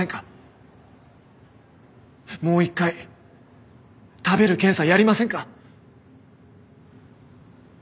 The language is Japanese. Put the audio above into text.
もう一回食べる検査やりませんか？